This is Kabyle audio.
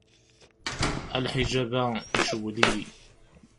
A lḥijab-a i cewwel-iyi.